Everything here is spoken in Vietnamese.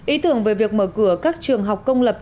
ý tưởng về việc mở cửa các trường học công lập